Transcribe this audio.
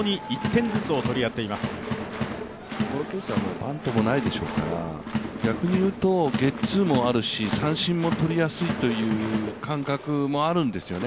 バントもないでしょうから、逆に言うとゲッツーもあるし、三振もとりやすいという感覚もあるんですよね。